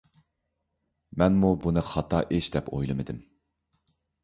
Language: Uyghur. مەنمۇ بۇنى خاتا ئىش دەپ ئويلىمىدىم.